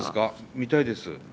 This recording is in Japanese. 見たいです。